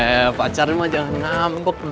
eh pacarnya mah jangan nampok dong